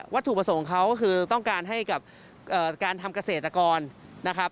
วัตถุประสงค์เขาคือต้องการให้กับการทำเกษตรกร